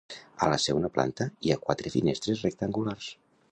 A la segona planta hi ha quatre finestres rectangulars.